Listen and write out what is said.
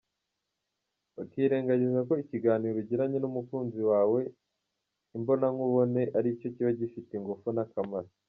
Bakirengagiza ko ikiganiro ugiranye n’umukunzi wawe imbonakubone aricyo kiba gifite ingufu n’akamaro.